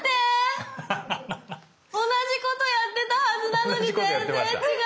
同じことやってたはずなのに全然違う！